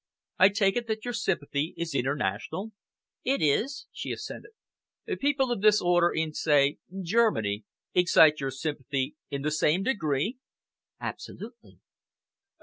I take it that your sympathy is international?" "It is," she assented "People of this order in say Germany, excite your sympathy in the same degree?" "Absolutely!"